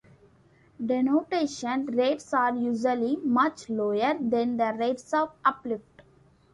Denudation rates are usually much lower than the rates of uplift.